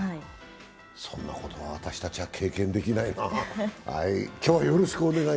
そんなこと私達は経験できないなぁ。